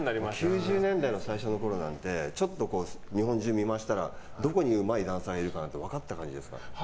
９０年代の最初のころなんて日本中、見回したらどこにうまいダンサーがいるかなんて分かって。